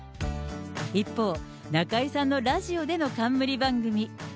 一方、中居さんのラジオでの冠番組。